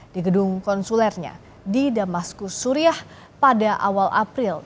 di gedung konsulernya di damaskus suriah pada awal april